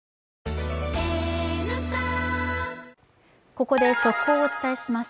ここで速報をお伝えします。